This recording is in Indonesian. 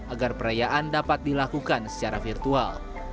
agar perayaan dapat dilakukan secara virtual